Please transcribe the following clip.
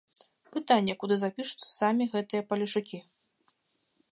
Пытанне, куды запішуцца самі гэтыя палешукі.